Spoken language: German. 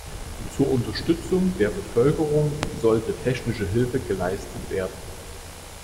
Zur Unterstützung der Bevölkerung sollte technische Hilfe geleistet werden.